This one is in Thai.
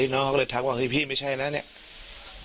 น้องเขาก็เลยทักว่าพี่พี่ไม่ใช่นะเนี่ย